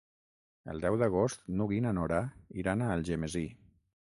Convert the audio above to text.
El deu d'agost n'Hug i na Nora iran a Algemesí.